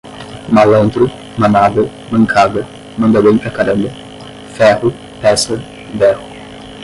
malandro, manada, mancada, manda bem pra caramba, ferro, peça, berro